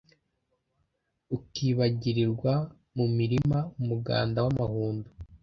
ukibagirirwa mu murima umuganda w’amahundo,